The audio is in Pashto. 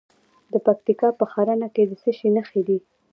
د پکتیکا په ښرنه کې د څه شي نښې دي؟